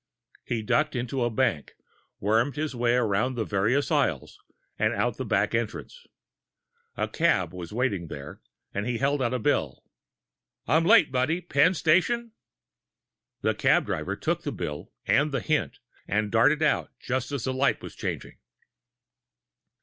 He ducked into a bank, wormed his way around the various aisles, and out the back entrance. A cab was waiting there, and he held out a bill. "I'm late, buddy. Penn Station!" The cab driver took the bill and the hint, and darted out, just as the light was changing.